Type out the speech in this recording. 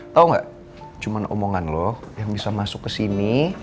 tau gak cuman omongan lo yang bisa masuk kesini